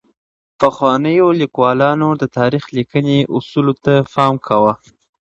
پخوانیو لیکوالانو د تاریخ لیکنې اصولو ته پام کاوه.